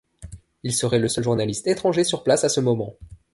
Il serait le seul journaliste étranger sur place à ce moment.